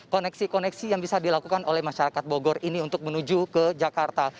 koneksi koneksi yang bisa dilakukan oleh masyarakat bogor ini untuk menuju ke jakarta